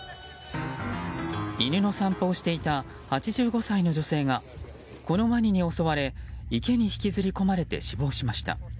犬の散歩をしていた８５歳の女性がこのワニに襲われ池に引きずり込まれて死亡しました。